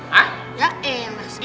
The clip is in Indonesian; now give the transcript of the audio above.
ya enak sekali